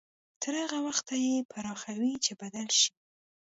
تر هغه وخته يې پراخوي چې بدل شي.